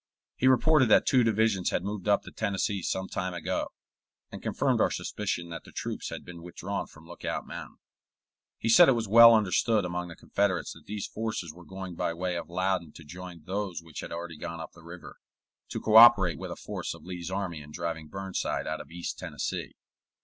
He reported that two divisions had moved up the Tennessee some time ago, and confirmed our suspicion that the troops had been withdrawn from Lookout Mountain. He said it was well understood among the Confederates that these forces were going by way of Loudon to join those which had already gone up the river, to co operate with a force of Lee's army in driving Burnside out of East Tennessee.